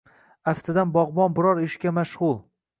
Aftidan bogʻbon biror ishga mashgʻu.